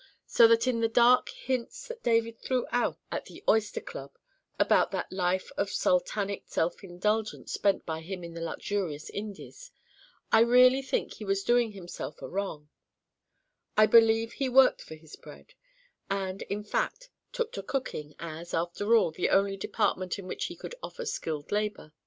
So that in the dark hints that David threw out at the Oyster Club about that life of Sultanic self indulgence spent by him in the luxurious Indies, I really think he was doing himself a wrong; I believe he worked for his bread, and, in fact, took to cooking as, after all, the only department in which he could offer skilled labour.